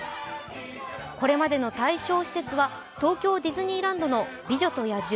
これまでの対象施設は東京ディズニーランドの美女と野獣